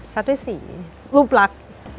ชัดด้วยสีรูปรัก